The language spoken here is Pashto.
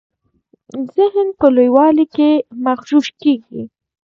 ذهن په لویوالي کي مغشوش کیږي.